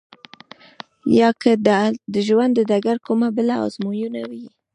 يا که د ژوند د ډګر کومه بله ازموينه وي.